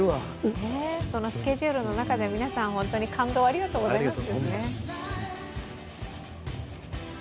そのスケジュールの中で皆さん本当に感動をありがとうございます。